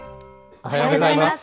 おはようございます。